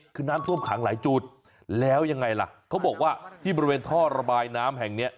คือน้ำท่วมขังหลายจุดแล้วยังไงล่ะเขาบอกว่าที่บริเวณท่อระบายน้ำแห่งเนี้ย